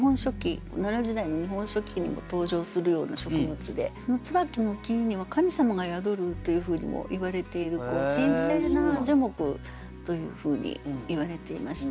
奈良時代の「日本書紀」にも登場するような植物でその椿の木にも神様が宿るというふうにもいわれている神聖な樹木というふうにいわれていました。